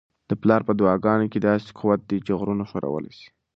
د پلار په دعاګانو کي داسې قوت دی چي غرونه ښورولی سي.